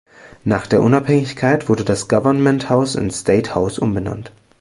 Nach der Unabhängigkeit wurde das Government House in State House umbenannt.